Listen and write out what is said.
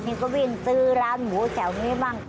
นี่ก็วิ่งซื้อร้านหมูแถวนี้บ้าง